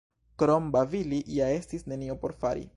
Krom babili ja estis nenio por fari.